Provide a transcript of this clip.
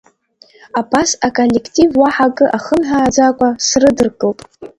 Абас аколлектив уаҳа акы ахымҳәааӡакәа срыдыркылт.